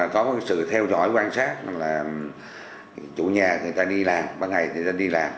có sự theo dõi quan sát chủ nhà người ta đi làm ban ngày người ta đi làm